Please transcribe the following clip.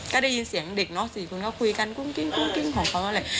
ก็ได้ยินเสียงเด็กน้องสี่คนก็คุยกันกุ้งกิ้งกุ้งกิ้งของเขาอะไร